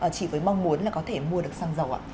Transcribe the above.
chỉ với mong muốn là có thể mua được xăng dầu ạ